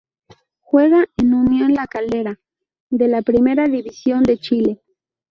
Juega en Unión La Calera de la Primera División de Chile.